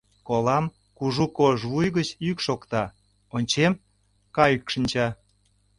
Колам: кужу кож вуй гыч йӱк шокта Ончем: кайык шинча.